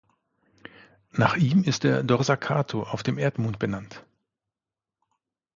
Nach ihm ist der Dorsa Cato auf dem Erdmond benannt.